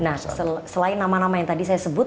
nah selain nama nama yang tadi saya sebut